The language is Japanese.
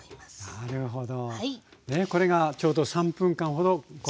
なるほど。